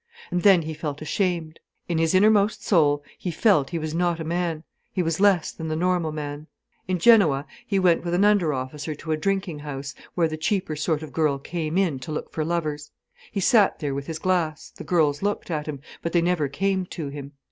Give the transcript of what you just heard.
And then he felt ashamed. In his innermost soul he felt he was not a man, he was less than the normal man. In Genoa he went with an under officer to a drinking house where the cheaper sort of girl came in to look for lovers. He sat there with his glass, the girls looked at him, but they never came to him.